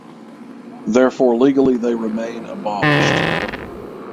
Therefore legally they remain abolished.